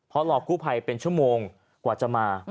เพราะรอกู้ภัยเป็นชั่วโมงกว่าจะมา